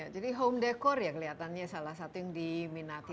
jadi home decor ya kelihatannya salah satu yang diminati